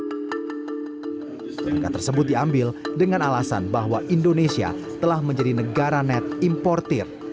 harga tersebut diambil dengan alasan bahwa indonesia telah menjadi negara net importer